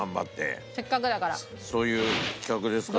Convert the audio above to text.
そういう企画ですから。